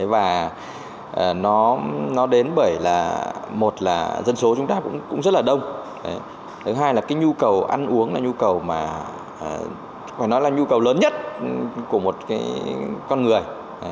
và nó nói đến bởi là một là dân số chúng ta cũng rất là đông thứ hai là cái nhu cầu ăn uống là nhu cầu mà phải nói là nhu cầu lớn nhất của một cái con người